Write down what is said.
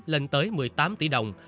lên tới một mươi tám tỷ đồng